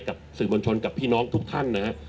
กับสื่อมวลชนกับพี่น้องทุกท่านนะฮะ